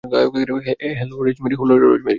Hello, rosemary.